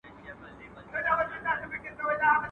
اور د خپلي لمني بلېږي.